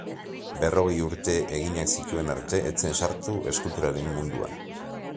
Berrogei urte eginak zituen arte ez zen sartu eskulturaren munduan.